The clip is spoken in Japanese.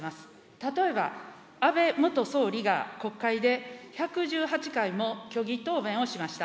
例えば安倍元総理が国会で１１８回も虚偽答弁をしました。